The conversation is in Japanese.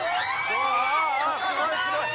ああすごいすごい。